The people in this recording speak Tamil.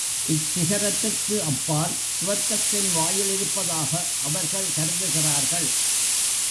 இச்சிகரத்திற்கு அப்பால் சுவர்க்கத்தின் வாயில் இருப்பதாக அவர்கள் கருதுகிறார்கள்.